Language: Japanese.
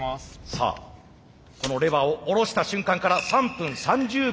さあこのレバーを下ろした瞬間から３分３０秒。